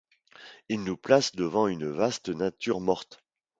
Il nous place devant une vaste nature morte.